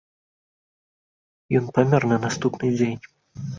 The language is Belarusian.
Ён памёр на наступны дзень.